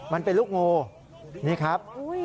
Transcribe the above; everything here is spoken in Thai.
มันเป็นลูกงูนี่ครับ